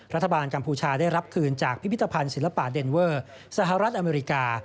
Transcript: กัมพูชาได้รับคืนจากพิพิธภัณฑ์ศิลปะเดนเวอร์สหรัฐอเมริกา